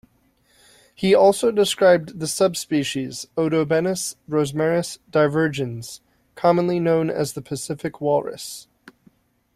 He also described the subspecies "Odobenus rosmarus divergens", commonly known as the Pacific walrus.